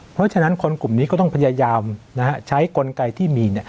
เพราะฉะนั้นคนกลุ่มนี้ก็ต้องพยายามใช้กลไกที่มี